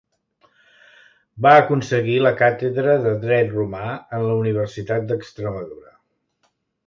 Va aconseguir la càtedra de Dret Romà en la Universitat d'Extremadura.